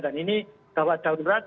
dan ini gawat darurat